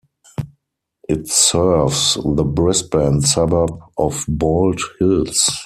It serves the Brisbane suburb of Bald Hills.